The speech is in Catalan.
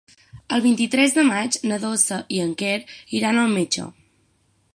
El vint-i-tres de maig na Dolça i en Quer iran al metge.